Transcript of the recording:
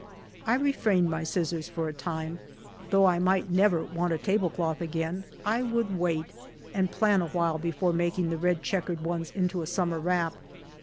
I refrained my scissors for a time; though I might never want a tablecloth again, 1 would wait and plan awhile befoi e making the red checkered ones into a summer wrap.